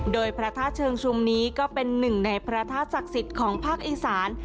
โดยพระธาตุเชิงชุมนี้ก็เป็นหนึ่งในพระธาตุศักดิ์สิทธิ์ของภาคอีสาน